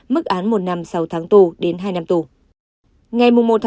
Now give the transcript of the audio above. mức án một năm sau tháng tù đến hai năm tù